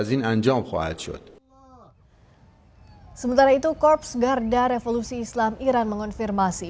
sementara itu korps garda revolusi islam iran mengonfirmasi